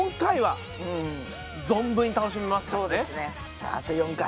じゃああと４回。